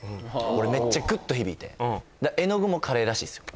俺めっちゃグッと響いて絵の具もカレーらしいですよ